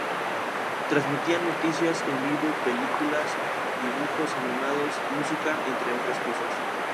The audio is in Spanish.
Transmitían noticias en vivo, películas, dibujos animados, música, entre otras cosas.